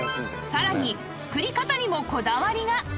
さらに作り方にもこだわりが